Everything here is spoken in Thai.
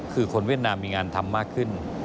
คือคนเวียดนามมีงานทำมากขึ้น